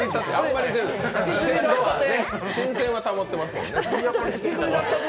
新鮮は保ってますからね。